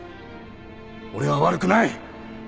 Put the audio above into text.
俺は悪くない！